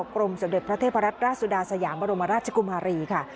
กรมสมเด็จพระเทพรัตนราชสุดาสยามบรมราชกุมารีค่ะ